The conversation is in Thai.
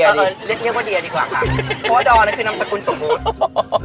หรือให้เรียกว่าเดียดีกว่าค่ะเพราะว่าดอนนั้นคือนำสกุลสมมุติ